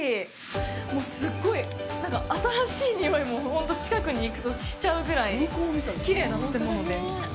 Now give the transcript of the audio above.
もうすっごい、新しい匂いも本当、近くにいくとしちゃうぐらいきれいな建物です。